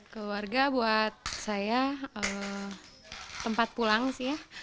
keluarga buat saya tempat pulang sih ya